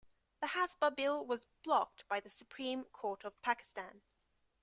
The Hasba bill was blocked by the Supreme Court of Pakistan.